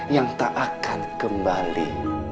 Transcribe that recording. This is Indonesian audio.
yang tak akan kembali